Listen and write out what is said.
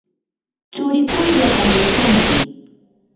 tsurikuyllatam yachanki.